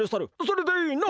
それでいいな？